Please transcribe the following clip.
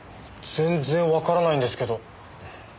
全然わからないんですけど。